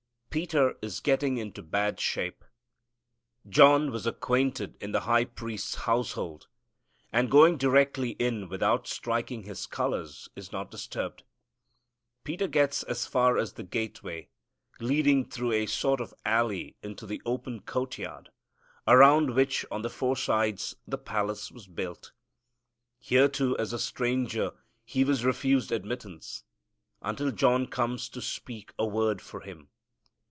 Peter is getting into bad shape. John was acquainted in the high priest's house hold, and, going directly in without striking his colors, is not disturbed. Peter gets as far as the gateway, leading through a sort of alley into the open courtyard, around which on the four sides the palace was built. Here, as a stranger, he was refused admittance, until John comes to speak a word for him.